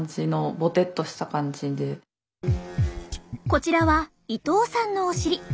こちらは伊藤さんのお尻。